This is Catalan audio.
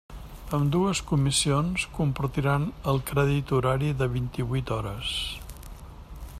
Ambdues comissions compartiran el crèdit horari de vint-i-huit hores.